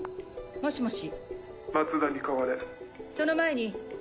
もしもし。